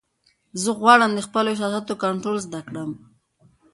زه غواړم د خپلو احساساتو کنټرول زده کړم.